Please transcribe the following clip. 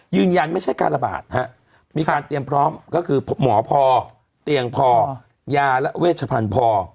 ยืนยันไม่ใช่การระบาดฮะมีการเตรียมพร้อมก็คือหมอพอเตียงพอยาและเวชพันธุ์พอ